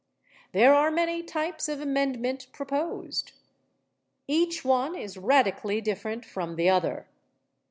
There are many types of amendment proposed. Each one is radically different from the other.